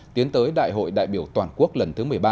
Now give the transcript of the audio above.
tiến tới đại hội đại biểu toàn quốc lần thứ một mươi ba